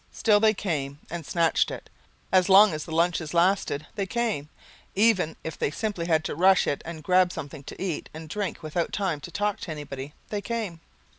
Still, they came, and snatched it. As long as the lunches lasted, they came. Even if they had simply to rush it and grab something to eat and drink without time to talk to anybody, they came.